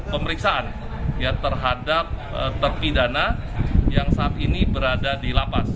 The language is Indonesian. pemeriksaan terhadap terpidana yang saat ini berada di lapas